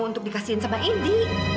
untuk dikasihin sama indy